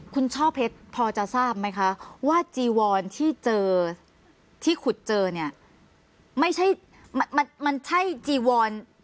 คุณช่อเพชรพอจะทราบไหมคะว่าจีวอนที่เจอที่ขุดเจอเนี่ยไม่ใช่มันมันใช่จีวอน